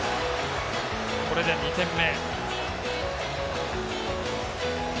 これで２点目。